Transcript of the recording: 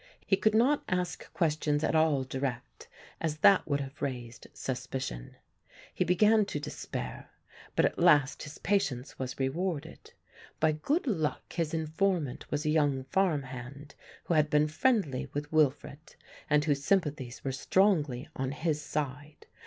He could not ask questions at all direct, as that would have raised suspicion. He began to despair, but at last his patience was rewarded. By good luck his informant was a young farm hand who had been friendly with Wilfred and whose sympathies were strongly on his side.